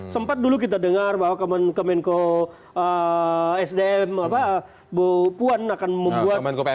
sempat dulu kita dengar bahwa kemenko sdm bu puan akan membuat